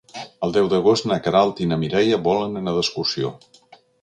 El deu d'agost na Queralt i na Mireia volen anar d'excursió.